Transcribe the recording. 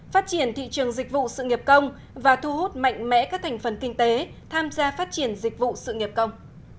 phát triển thị trường dịch vụ sự nghiệp công và thu hút mạnh mẽ các thành phần kinh tế tham gia phát triển dịch vụ sự nghiệp công